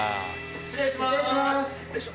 失礼します。